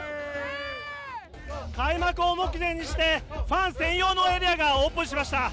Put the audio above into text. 開幕を目前にしてファン専用のエリアがオープンしました。